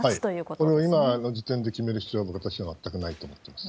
これは今の時点で決める必要は私は全くないと思っています。